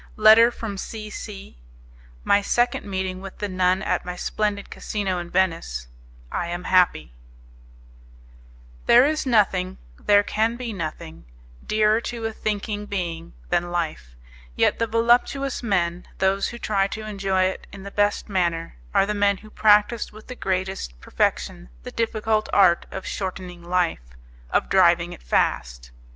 Letter From C. C. My Second Meeting With the Nun At My Splendid Casino In Venice I Am Happy There is nothing, there can be nothing, dearer to a thinking being than life; yet the voluptuous men, those who try to enjoy it in the best manner, are the men who practise with the greatest perfection the difficult art of shortening life, of driving it fast.